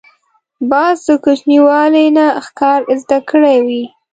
باز د کوچنیوالي نه ښکار زده کړی وي